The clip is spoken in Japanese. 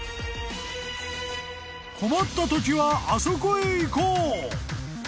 ［困ったときはあそこへ行こう！］